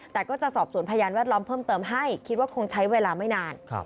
แต่ก็จะสอบสวนพยานแวดล้อมเพิ่มเติมให้คิดว่าคงใช้เวลาไม่นาน